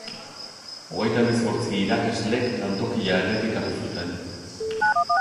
Hogeita hemezortzi irakalek lantokia errepikatu zuten.